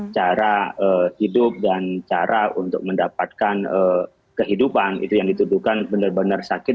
cara hidup dan cara untuk mendapatkan kehidupan itu yang dituduhkan benar benar sakit